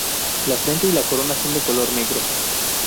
La frente y la corona son de color negro.